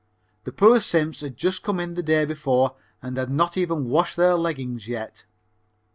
The poor simps had just come in the day before and had not even washed their leggings yet.